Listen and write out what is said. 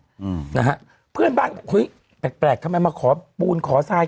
อืมนะฮะเพื่อนบ้านอุ้ยแปลกทำไมมาขอมูลขอทราย